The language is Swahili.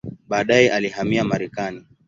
Baadaye alihamia Marekani.